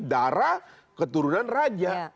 darah keturunan raja